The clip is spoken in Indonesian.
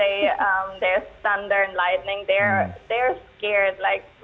ya ya dan bagaimana anda menjelaskan tentang erupsi ini kepada anak anak anda